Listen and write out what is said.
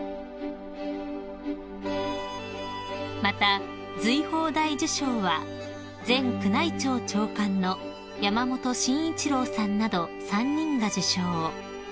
［また瑞宝大綬章は前宮内庁長官の山本信一郎さんなど３人が受章］